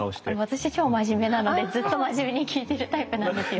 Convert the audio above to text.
私超真面目なのでずっと真面目に聞いてるタイプなんですよ。